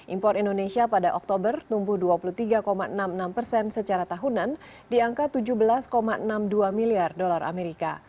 impor indonesia pada oktober tumbuh dua puluh tiga enam puluh enam persen secara tahunan di angka tujuh belas enam puluh dua miliar dolar amerika